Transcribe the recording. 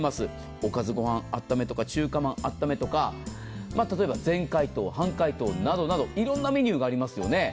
おかず、ごはん、温め中華まん、温め例えば全解凍、半解凍などいろんなメニューがありますよね。